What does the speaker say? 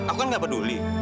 aku kan gak peduli